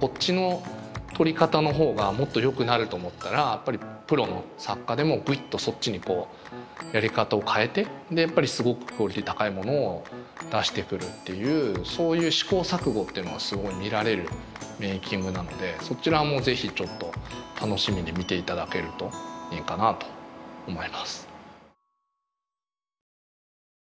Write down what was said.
こっちの撮り方の方がもっとよくなると思ったらやっぱりプロの作家でもプイっとそっちにやり方を変えてやっぱりすごくクオリティー高いものを出してくるっていうそういう試行錯誤っていうのはすごい見られるメーキングなのでそちらも是非ちょっと楽しみに見ていただけるといいかなと思います。